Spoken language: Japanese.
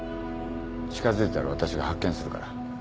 近づいたら私が発見するから。